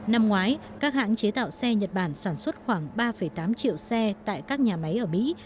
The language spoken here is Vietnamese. năm ngoái các hãng chế tạo xe nhật bản sản xuất khoảng ba tám triệu xe tại các nhà máy ở mỹ